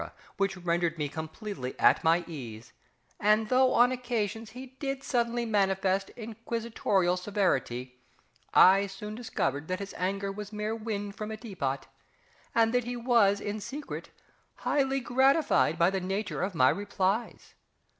which rendered me completely at my ease, and though on occasions he did suddenly manifest inquisitorial severity, I soon discovered that his anger was mere wind from a tea pot, and that he was in secret highly gratified by the nature of my replies.